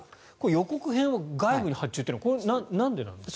予告編は外部に発注というのはなんでなんですか？